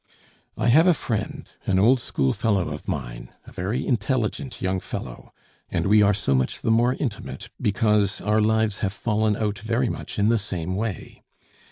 I have a friend, an old schoolfellow of mine, a very intelligent young fellow; and we are so much the more intimate, because, our lives have fallen out very much in the same way.